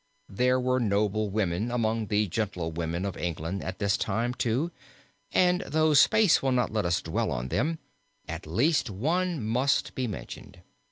There were noble women among the gentlewomen of England at this time too, and though space will not let us dwell on them, at least one must be mentioned.